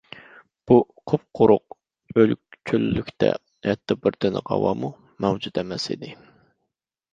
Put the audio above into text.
بۇ قۇپقۇرۇق ئۆلۈك چۆللۈكتە ھەتتا بىر تىنىق ھاۋامۇ مەۋجۇت ئەمەس ئىدى.